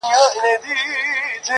او طوطي ته یې دوکان وو ورسپارلی-